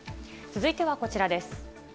続いてはこちらです。